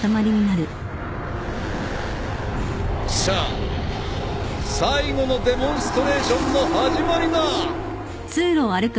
さあ最後のデモンストレーションの始まりだ！